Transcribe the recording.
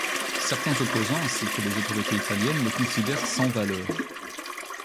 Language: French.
Certains opposants ainsi que les autorités italiennes le considèrent sans valeur.